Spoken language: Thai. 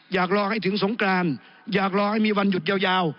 อยากรอให้ถึงสงกรานอยากรอให้มีวันหยุดยาว